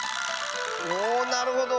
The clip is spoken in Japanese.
おおなるほど。